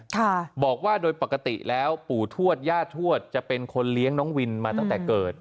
ค่ะบอกว่าโดยปกติแล้วปู่ทวดย่าทวดจะเป็นคนเลี้ยงน้องวินมาตั้งแต่เกิด